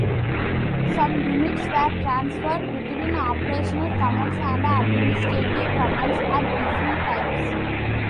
Some units were transferred between operational commands and administrative commands at different times.